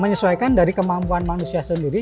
menyesuaikan dari kemampuan manusia sendiri